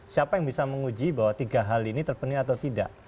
siapa yang bisa menguji bahwa tiga hal ini terpenuhi atau tidak